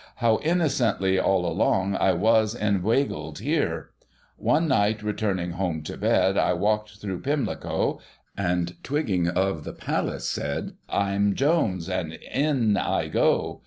How innocently, all along, I was in weigle ed here. " One night, returnin home to bed, I walk'd through Pim li co, And, twigging of the Palass, sed, * Vva Jones and In i go.'